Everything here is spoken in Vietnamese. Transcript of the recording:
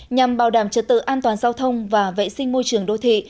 nhằm bảo đảm trật tự an toàn giao thông và vệ sinh môi trường đô thị